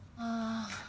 あぁ。